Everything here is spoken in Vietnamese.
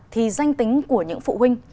thì danh tính của những phụ huynh